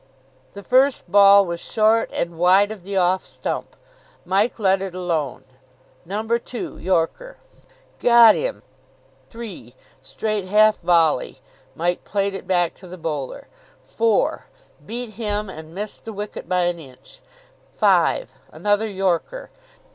The first ball was short and wide of the off stump. Mike let it alone. Number two: yorker. Got him! Three: straight half volley. Mike played it back to the bowler. Four: beat him, and missed the wicket by an inch. Five: another yorker.